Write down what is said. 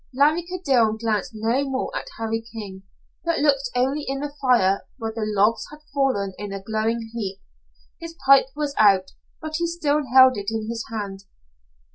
Larry Kildene glanced no more at Harry King, but looked only in the fire, where the logs had fallen in a glowing heap. His pipe was out, but he still held it in his hand.